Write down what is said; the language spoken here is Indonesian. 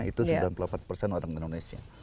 itu sembilan puluh delapan persen orang indonesia